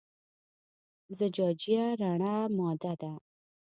زجاجیه رڼه ماده ده.